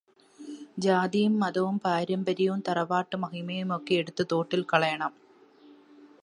ജാതിയും മതവും പാരമ്പര്യവും തറവാട്ടുമഹിമയുമൊക്കെ എടുത്ത് തോട്ടിൽ കളയണം.